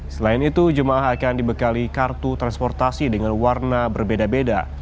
selain itu jemaah akan dibekali kartu transportasi dengan warna berbeda beda